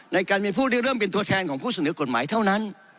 ในการมีผู้ที่เริ่มเป็นตัวแทนของผู้เสนอกฎหมายเท่านั้น